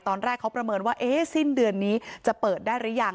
ตอนแรกเขาประเมินว่าสิ้นเดือนนี้จะเปิดได้หรือยัง